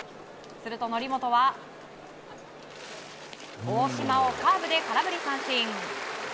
すると則本は大島をカーブで空振り三振。